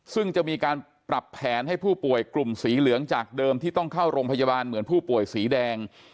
ซึ่งจะมีการปรับแผนให้ผู้ป่วยกลุ่มสีเหลืองจากเดิมที่ต้องเข้าโรงพยาบาลเหมือนผู้ป่วยสีแดง